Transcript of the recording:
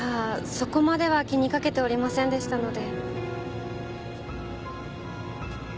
そこまでは気にかけておりませんでしたので。